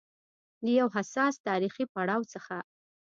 له يو حساس تاریخي پړاو څخه